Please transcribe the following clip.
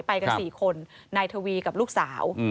ไปกัน๔คนนายทวีกับลูกสาว